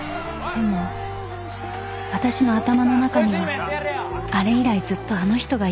［でも私の頭の中にはあれ以来ずっとあの人がいるのです］